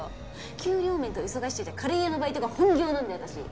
給料面と忙しさじゃカレー屋のバイトが本業なんで私。